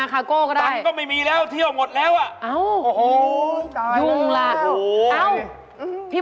คราดมีอะไร